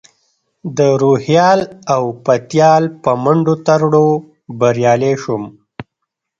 د روهیال او پتیال په منډو ترړو بریالی شوم.